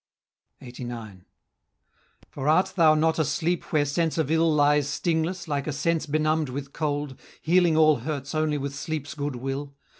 LXXXIX. "For art thou not a sleep where sense of ill Lies stingless, like a sense benumb'd with cold, Healing all hurts only with sleep's good will?